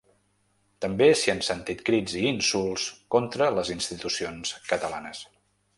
També s’hi han sentit crits i insults contra les institucions catalanes.